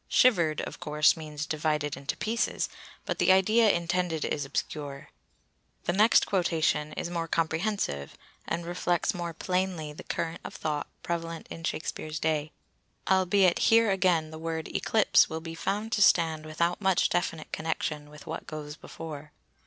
"Shivered" of course means divided into pieces, but the idea intended is obscure. The next quotation is more comprehensive and reflects more plainly the current of thought prevalent in Shakespeare's day, albeit here again the word "eclipse" will be found to stand without much definite connection with what goes before.